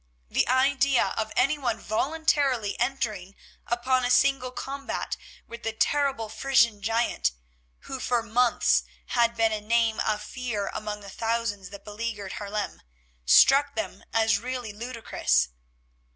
The idea of anyone voluntarily entering upon a single combat with the terrible Frisian giant, who for months had been a name of fear among the thousands that beleaguered Haarlem, struck them as really ludicrous.